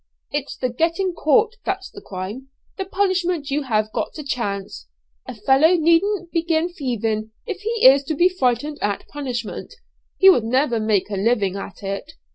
It's the getting caught, that's the crime, the punishment you have got to chance. A fellow needn't begin thieving if he is to be frightened at punishment; he would never make a living at it.